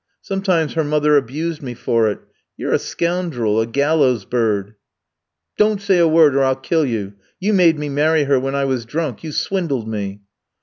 Sometimes her mother abused me for it: 'You're a scoundrel, a gallows bird!' 'Don't say a word or I'll kill you; you made me marry her when I was drunk, you swindled me.'